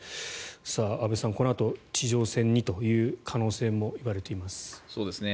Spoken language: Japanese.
安部さん、このあと地上戦にという可能性も言われています。